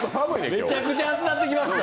めちゃくちゃ暑うなってきましたよ。